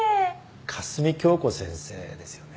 香澄今日子先生ですよね？